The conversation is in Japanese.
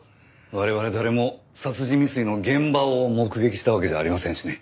我々誰も殺人未遂の現場を目撃したわけじゃありませんしね。